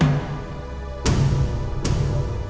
yang masih terobsesi sama dia